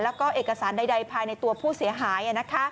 แล้วก็เอกสารใดภายในตัวผู้เสียหาย